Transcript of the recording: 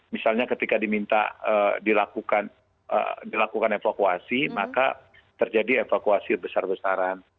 misalnya ketika diminta dilakukan evakuasi maka terjadi evakuasi besar besaran